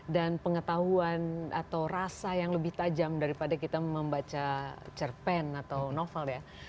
dan pengetahuan atau rasa yang lebih tajam daripada kita membaca cerpen atau novel ya